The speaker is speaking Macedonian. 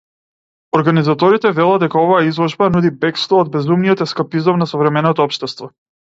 Организаторите велат дека оваа изложба нуди бегство од безумниот ескапизам на современото општество.